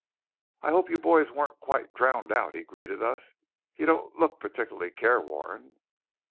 "I hope you boys weren't quite drowned out," he greeted us. "You don't look particularly careworn."